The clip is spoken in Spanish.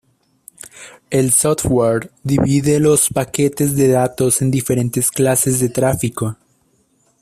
El software divide los paquetes de datos en diferentes clases de tráfico.